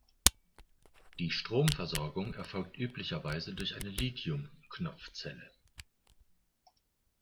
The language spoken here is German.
Die Stromversorgung erfolgt üblicherweise durch eine Lithium-Knopfzelle.